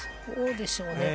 そうでしょうね